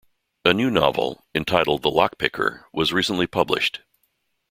A new novel, entitled "The Lockpicker", was recently published.